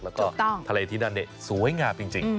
แล้วก็ทะเลที่นั่นสวยงามจริง